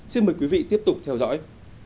xin mời quý vị tiếp tục theo dõi